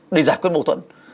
để giải quyết mâu thuẫn